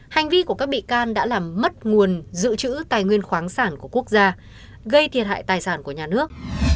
hành vi của các bị can đã làm mất nguồn dự trữ tài nguyên khoáng sản của quốc gia gây thiệt hại tài sản của nhà nước